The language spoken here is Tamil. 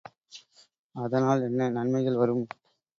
அதனால் என்ன நன்மைகள் வரும்?